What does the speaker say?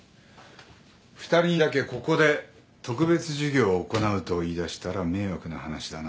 ２人にだけここで特別授業を行うと言いだしたら迷惑な話だな。